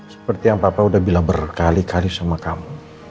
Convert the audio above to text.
seperti yang bapak udah bilang berkali kali sama kamu